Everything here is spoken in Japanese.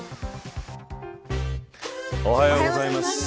おはようございます。